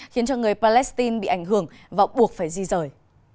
khiến cho người palestine bị ảnh hưởng và buộc phải di rời